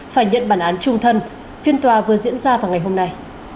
phải nhận bản án trung thân phiên tòa vừa diễn ra vào ngày hôm nay